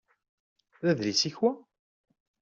D adlis-ik wa?